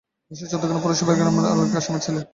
বশির চৌদ্দগ্রাম পৌরসভার রামরায় গ্রামের আবুল কাশেমের ছেলে।